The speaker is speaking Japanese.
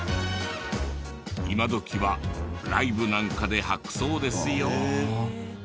今どきはライブなんかで履くそうですよ。